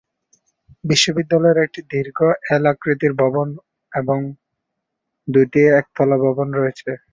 বিদ্যালয়টিতে একটি দীর্ঘ এল-আকৃতির ভবন এবং দুটি একতলা ভবন রয়েছে।